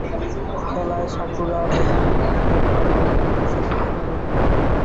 খেলায়, সাকুরা বেনমু নামে এক নতুন দূতের সাথে দেখা করেন।